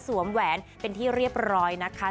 แหวนเป็นที่เรียบร้อยนะคะ